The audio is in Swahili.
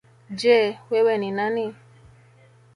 Je! Wewe ni nani?